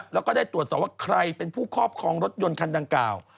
แล้วก็ได้ตรวจสอบว่าใครเป็นผู้ครอบครองรถยนต์คันดังกล่าว